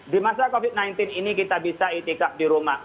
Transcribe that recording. di masa covid sembilan belas ini kita bisa itikaf di rumah